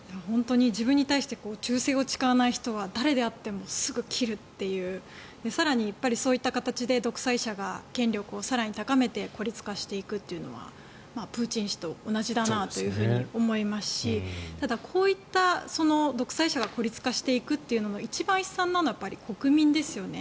自分に対して忠誠を誓わない人は誰であっても、すぐに切るという更にそういった形で独裁者が権力を更に高めて孤立化していくというのはプーチン氏と同じだなと思いますしただ、こういった独裁者が孤立化していくというのの一番悲惨なのは国民ですよね。